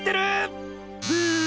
ブー！